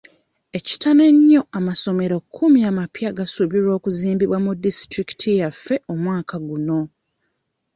Ekitono ennyo amasomero kkumi amapya gasuubirwa okuzimbibwa mu disitulikiti yaffe omwaka guno